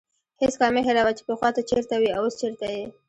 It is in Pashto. هېڅکله مه هېروه چې پخوا ته چیرته وې او اوس چیرته یې.